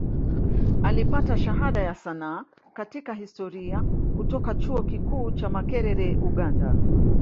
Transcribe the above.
Alipata Shahada ya Sanaa katika Historia kutoka Chuo Kikuu cha Makerere Uganda